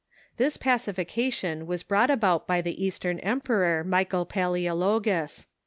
This pacification Avas brought about by the Eastern emperor, Michael Palneologus.